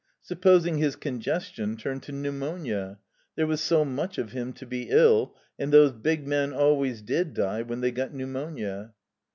Supposing his congestion turned to pneumonia? There was so much of him to be ill, and those big men always did die when they got pneumonia.